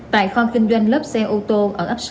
tại khoang kinh doanh lớp xe ô tô ở ấp sáu